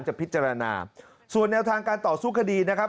จะพิจารณาส่วนแนวทางการต่อสู้คดีนะครับ